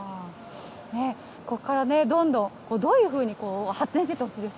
ここからどんどん、どういうふうに発展していってほしいです